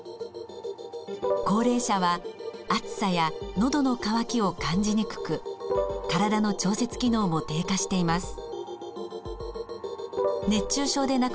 高齢者は暑さやのどの渇きを感じにくく体の調節機能も低下しています。